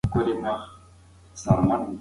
ښوونکو ته يې درناوی درلود.